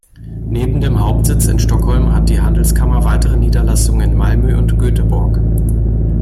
Neben dem Hauptsitz in Stockholm hat die Handelskammer weitere Niederlassungen in Malmö und Göteborg.